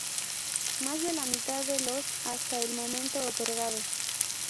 Más de la mitad de los hasta el momento otorgados.